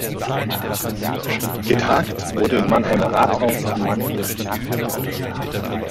Getagt wurde im Mannheimer Rathaus am Marktplatz.